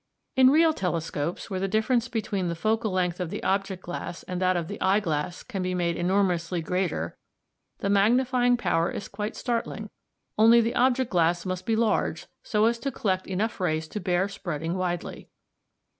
"In real telescopes, where the difference between the focal length of the object glass and that of the eye glass can be made enormously greater, the magnifying power is quite startling, only the object glass must be large, so as to collect enough rays to bear spreading widely.